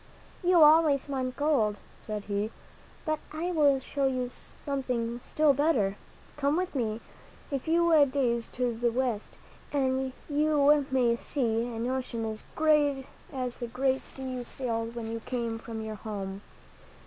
You always want gold," said he, "but I will show you something still better. Come with me a few days to the West, and you may see an ocean as great as the great sea you sailed when you came from your home."